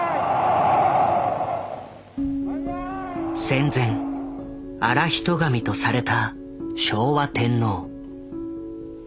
戦前現人神とされた昭和天皇。